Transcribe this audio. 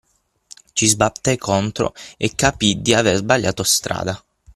Ci sbatté contro e capì di aver sbagliato strada.